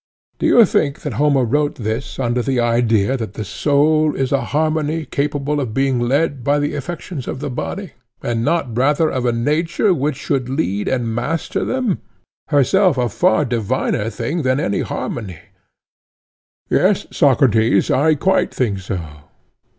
Do you think that Homer wrote this under the idea that the soul is a harmony capable of being led by the affections of the body, and not rather of a nature which should lead and master them—herself a far diviner thing than any harmony? Yes, Socrates, I quite think so.